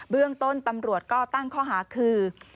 เรื่องต้นตำรวจก็ตั้งข้อหาคือ